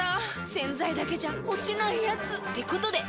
⁉洗剤だけじゃ落ちないヤツってことで。